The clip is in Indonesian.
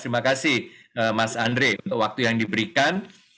terima kasih mas andre untuk waktu yang diberikan